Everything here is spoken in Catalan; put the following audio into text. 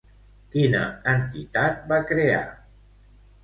Quina entitat va crear?